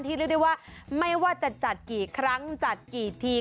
เรียกได้ว่าไม่ว่าจะจัดกี่ครั้งจัดกี่ที